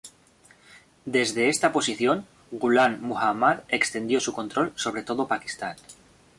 Desde esta posición, Ghulam Muhammad extendió su control sobre todo Pakistán.